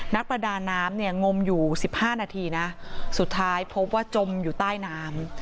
นักประดาน้ำเนี่ยงมอยู่๑๕นาทีนะสุดท้ายพบว่าจมอยู่ใต้น้ำ